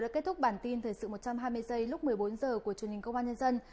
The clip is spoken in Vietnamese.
đã kết thúc bản tin thời sự một trăm hai mươi giây lúc một mươi bốn h của truyền hình công an nhân dân